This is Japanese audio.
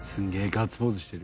ガッツポーズしてる。